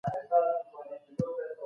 مذهبي مشران د ټولني لارښوونه کوي.